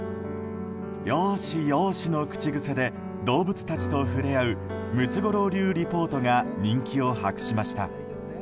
よーし、よーしの口癖で動物たちと触れ合うムツゴロウ流リポートが人気を博しました。